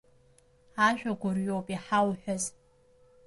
Ажәагәырҩоуп иҳауҳәаз!